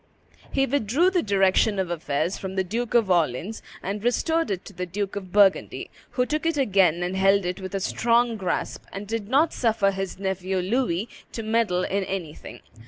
He withdrew the direction of affairs from the Duke of Orleans and restored it to the Duke of Burgundy, who took it again and held it with a strong grasp, and did not suffer his nephew Louis to meddle in anything.